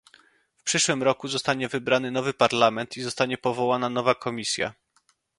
W przyszłym roku zostanie wybrany nowy Parlament i zostanie powołana nowa Komisja